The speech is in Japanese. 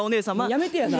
やめてやな。